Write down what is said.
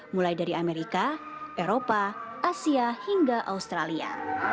mulai dari amerika eropa asia hingga australia